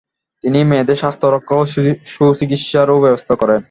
তিনি মেয়েদের স্বাস্থ্য রক্ষা ও সুচিকিৎসারও ব্যবস্থা করেন।